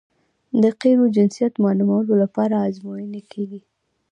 د قیرو جنسیت معلومولو لپاره ازموینې کیږي